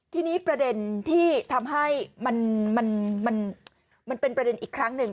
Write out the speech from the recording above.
ทีนี้ประเด็นที่ทำให้มันเป็นประเด็นอีกครั้งหนึ่ง